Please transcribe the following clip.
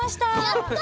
やった！